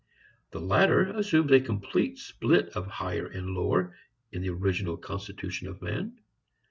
The latter assumes a complete split of higher and lower in the original constitution of man.